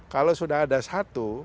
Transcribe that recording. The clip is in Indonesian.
kalau sudah ada satu